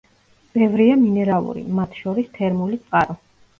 ბევრია მინერალური, მათ შორის თერმული წყარო.